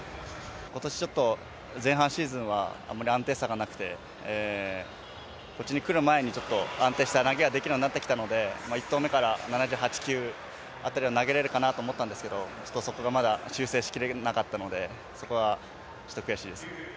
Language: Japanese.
今年ちょっと、シーズン前半は安定感がなくて、こっちに来る前に安定した投げができるようになってきたので１投目から７８、７９あたりを投げられるかなと思ったんですがちょっとそこがまだ修正しきれなかったのでそこはちょっと悔しいです。